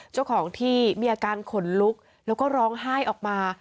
เจ้าของที่มีอาการขนลุกแล้วก็ร้องไห้ออกมา